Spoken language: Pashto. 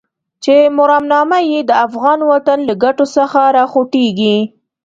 چې مرامنامه يې د افغان وطن له ګټو څخه راوخوټېږي.